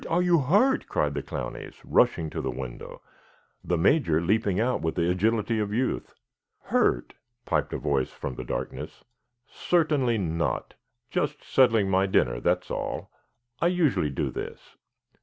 Are you hurt?" cried the Clowneys, rushing to the window, the Major leaping out with the agility of youth. "Hurt?" piped a voice from the darkness. "Certainly not. Just settling my dinner, that's all. I usually do this.